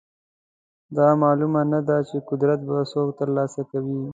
دا معلومه نه وه چې قدرت به څوک ترلاسه کوي.